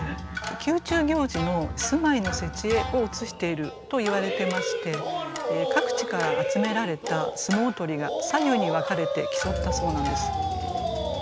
宮中行事の相撲節会を映しているといわれてまして各地から集められた相撲取りが左右に分かれて競ったそうなんです。